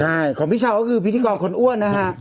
ใช่ของพี่เช้าก็คือพิธีกรคนอ้วนนะฮะ